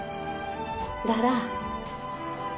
だら。